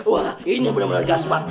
wah ini benar benar kasih